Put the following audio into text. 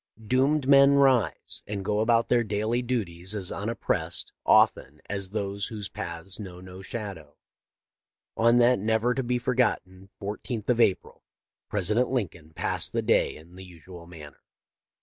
Doomed men rise and go about their daily duties as unoppressed, often, as those whose paths know no shadow. On that never to be forgotten 14th of April President Lin coln passed the day in the usual manner.